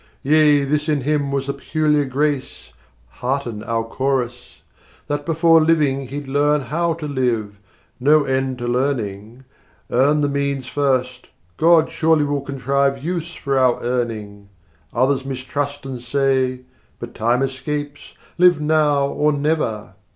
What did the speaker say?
Yea, this in him was the peculiar grace (Hearten our chorus!) That before living he'd learn how to live No end to learning: Earn the means first God surely will contrive Use for our earning. 80 Others mistrust and say, "But time escapes: Live now or never!"